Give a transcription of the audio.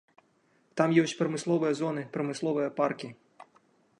Там ёсць прамысловыя зоны, прамысловыя паркі.